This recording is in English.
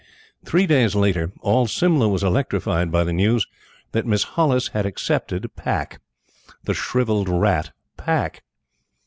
Three days later, all Simla was electrified by the news that Miss Hollis had accepted Pack the shrivelled rat, Pack!